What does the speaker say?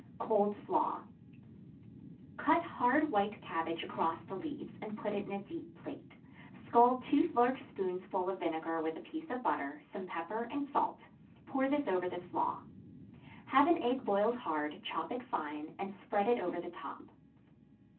Cold Slaw. Cut hard white cabbage across the leaves, and put it in a deep plate, scald two large spoonsful of vinegar with a piece of butter, some pepper and salt; pour this over the slaw; have an egg boiled hard; chop it fine, and spread it over the top.